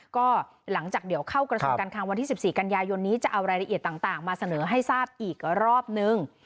ก็หลังจากเดี๋ยวเข้ากระทรวงการคังวันที่๑๔กันยายนนี้จะเอารายละเอียดต่างมาเสนอให้ทราบอีกรอบนึง